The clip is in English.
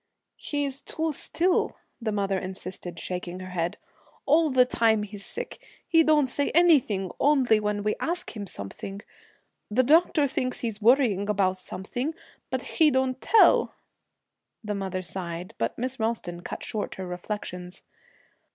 'He's too still,' the mother insisted, shaking her head. 'All the time he's sick, he don't say anything, only when we ask him something. The doctor thinks he's worrying about something, but he don't tell.' The mother sighed, but Miss Ralston cut short her reflections.